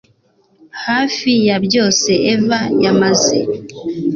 Hafi ya byose Eva yamaze